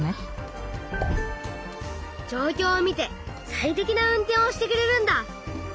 じょうきょうを見て最適な運転をしてくれるんだ！